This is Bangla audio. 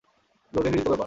দুদিনেরই তো ব্যাপার।